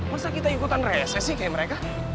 masa kita ikutan reses sih kayak mereka